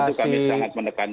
itu kami sangat mendekatkan